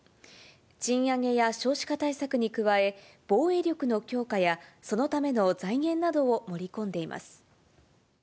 賃上げや少子化対策に加え、防衛力の強化や、そのための財源などを盛り込んでいます。